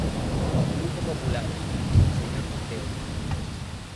Grupo Popular, señor Centeo.